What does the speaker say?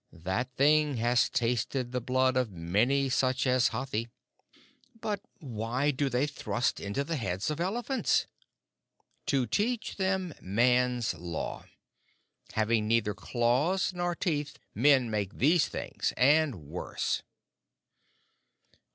That thing has tasted the blood of many such as Hathi." "But why do they thrust into the heads of elephants?" "To teach them Man's Law. Having neither claws nor teeth, men make these things and worse."